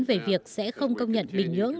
về việc sẽ không công nhận bình nhưỡng